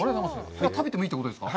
じゃあ、食べてもいいってことですか？